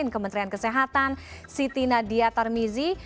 kementerian kesehatan siti nadia tarmizi